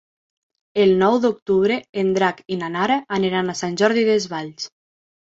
El nou d'octubre en Drac i na Nara aniran a Sant Jordi Desvalls.